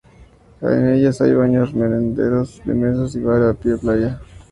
En ellas hay baños merenderos mesas y un bar a pie de playa.